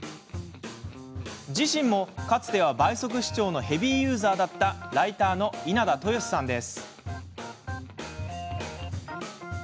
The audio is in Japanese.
自身もかつては倍速視聴のヘビーユーザーだったライターの稲田豊史さんです。